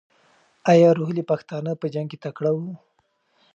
ایا روهیلې پښتانه په جنګ کې تکړه وو؟